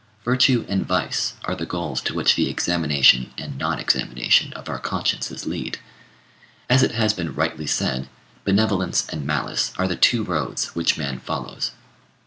Virtue and vice are the goals to which the examination and non examination of our consciences lead. As it has been rightly said, benevolence and malice are the two roads which man follows.